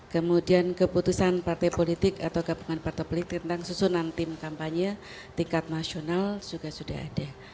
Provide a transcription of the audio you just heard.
kemudian keputusan partai politik atau gabungan partai politik tentang susunan tim kampanye tingkat nasional juga sudah ada